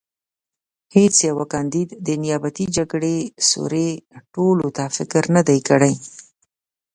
هېڅ یوه کاندید د نیابتي جګړې سوړې تړلو ته فکر نه دی کړی.